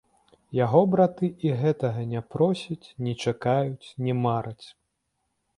Яго браты і гэтага не просяць, не чакаюць, не мараць.